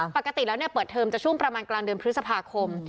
ปกติแล้วเปิดเทอมจะช่วงประมาณกลางเดือนพฤษภาคม